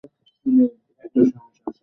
এতো সাহস আছে?